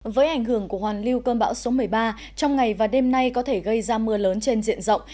với ảnh hưởng của hoàn lưu cơn bão số một mươi ba trong ngày và đêm nay có thể gây ra mưa lớn trên diện rộng